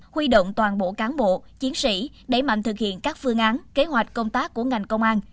huy động toàn bộ cán bộ chiến sĩ đẩy mạnh thực hiện các phương án kế hoạch công tác của ngành công an